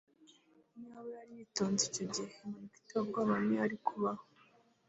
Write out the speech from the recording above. iyaba yari yitonze icyo gihe, impanuka iteye ubwoba ntiyari kubaho